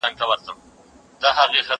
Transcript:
ما مخکي د سبا لپاره د ژبي تمرين کړی وو؟!